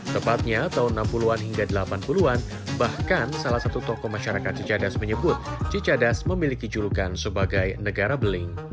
tepatnya tahun enam puluh an hingga delapan puluh an bahkan salah satu tokoh masyarakat cicadas menyebut cicadas memiliki julukan sebagai negara beling